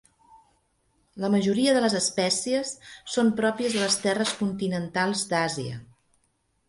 La majoria de les espècies són pròpies de les terres continentals d'Àsia.